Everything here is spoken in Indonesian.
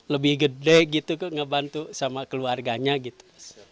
lebih gede gitu kok ngebantu sama keluarganya gitu